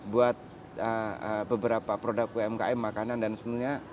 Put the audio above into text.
buat beberapa produk umkm makanan dan semuanya